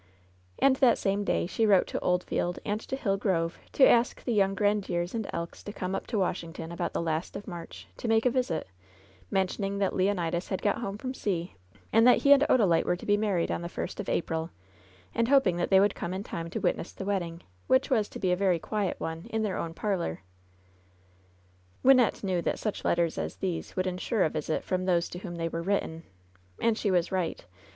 And that same day she wrote to Oldfield and to Hill Grove to ask the young Grandieres and Elks to come up to Washington about the last of March to make a 72 LOVE'S BITTEREST CUP visit, mentioning that Leonidas had got home from sea^ and that he and Odalite were to be married on the first of April, and hoping that they would come in time to witness the wedding, which was to be a very quiet one in their own parlor. Wynnette knew that such letters as these would in sure a visit from those to whom they were written. And she was right.